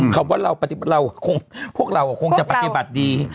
คำว่าเราพวกเราคงจะปฏิบัติดี